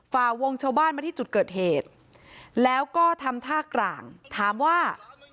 ฝ่าวงชาวบ้านมาที่จุดเกิดเหตุแล้วก็ทำท่ากลางถามว่า